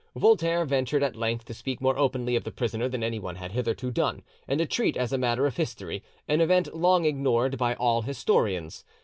Voltaire ventured at length to speak more openly of the prisoner than anyone had hitherto done, and to treat as a matter of history "an event long ignored by all historians."